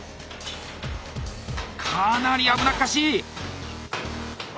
かなり危なっかしい！